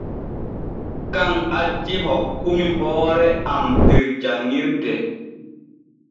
Kan acci hokkumi hoore am der janŋirde.